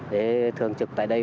để thường trực tại đây